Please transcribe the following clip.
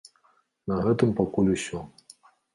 На гэтым пакуль усё.